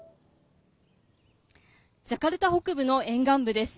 ジャカルタ北部の沿岸部です。